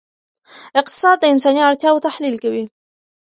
اقتصاد د انساني اړتیاوو تحلیل کوي.